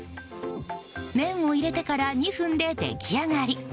麺を入れてから２分で出来上がり。